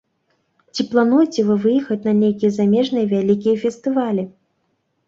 Ці плануеце вы выехаць на нейкія замежныя вялікія фестывалі?